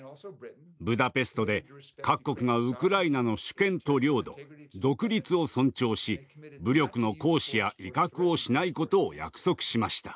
ブダペストで各国がウクライナの主権と領土独立を尊重し武力の行使や威嚇をしないことを約束しました。